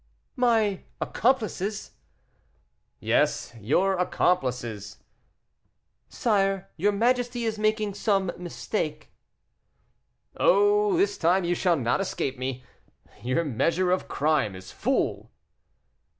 "My accomplices!" "Yes; your accomplices." "Sire, your majesty is making some mistake." "Oh! this time you shall not escape me; your measure of crime is full."